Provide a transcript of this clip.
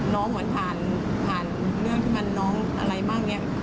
เหมือนผ่านเรื่องที่มันน้องอะไรบ้างเนี่ย